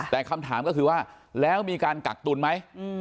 แต่คำถามก็คือว่าแล้วมีการกักตุลไหม